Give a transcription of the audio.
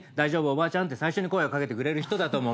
おばあちゃんって最初に声を掛けてくれる人だと思う。